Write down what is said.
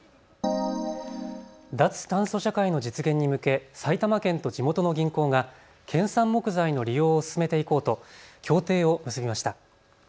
脱炭素社会の実現に向け埼玉県と地元の銀行が県産木材の利用を進めていこうと協定を結びました。